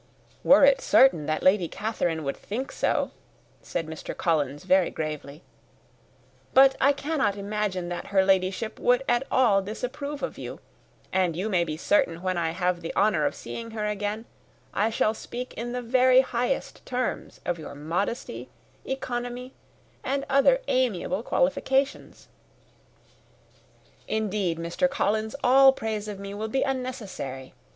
"Were it certain that Lady Catherine would think so," said Mr. Collins, very gravely "but I cannot imagine that her Ladyship would at all disapprove of you. And you may be certain that when I have the honour of seeing her again I shall speak in the highest terms of your modesty, economy, and other amiable qualifications." "Indeed, Mr. Collins, all praise of me will be unnecessary.